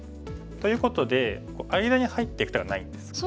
ということで間に入っていく手がないんです。